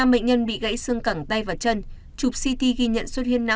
năm bệnh nhân bị gãy xương cẳng tay và chân chụp ct ghi nhận xuất hiện não nhẹ